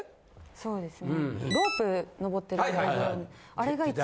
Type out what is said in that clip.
そうですね。